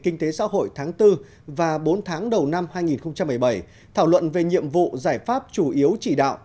kinh tế xã hội tháng bốn và bốn tháng đầu năm hai nghìn một mươi bảy thảo luận về nhiệm vụ giải pháp chủ yếu chỉ đạo